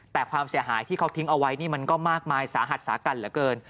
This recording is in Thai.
แต่ความเสียหายที่เขาทิ้งเอาไว้นี่มันก็มากมายสาหัสสากันเหลือเกิน